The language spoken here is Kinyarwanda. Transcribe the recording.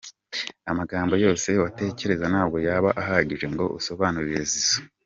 "Amagambo yose watekereza ntabwo yaba ahagije ngo usobanure Zizou.